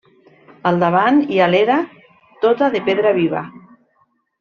Al davant hi ha l'era, tota de pedra viva.